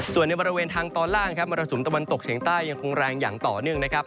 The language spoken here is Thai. ส่วนในบริเวณทางตอนล่างครับมรสุมตะวันตกเฉียงใต้ยังคงแรงอย่างต่อเนื่องนะครับ